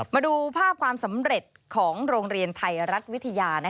มาดูภาพความสำเร็จของโรงเรียนไทยรัฐวิทยา